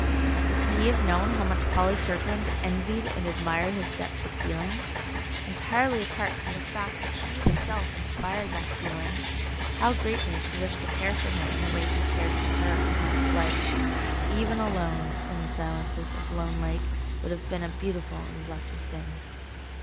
Could he have known how much Polly Kirkland envied and admired his depth of feeling, entirely apart from the fact that she herself inspired that feeling, how greatly she wished to care for him in the way he cared for her, life, even alone in the silences of Lone Lake, would have been a beautiful and blessed thing.